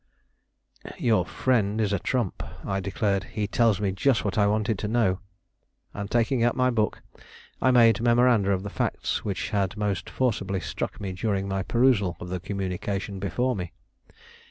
"Your friend is a trump," I declared. "He tells me just what I wanted most to know." And, taking out my book, I made memoranda of the facts which had most forcibly struck me during my perusal of the communication before me.